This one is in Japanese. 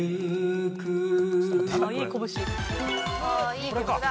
いい曲だ。